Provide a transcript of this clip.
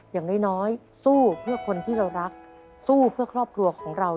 อย่างน้อยสู้เพื่อคนที่เรารักสู้เพื่อครอบครัวของเรา